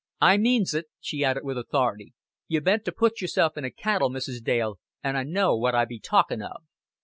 I means it," she added, with authority. "You ben't to put yourself in a caddle, Mrs. Dale, an' I know what I be talkin' of."